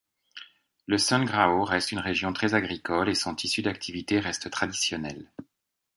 Le Sundgau reste une région très agricole et son tissu d'activités reste traditionnel.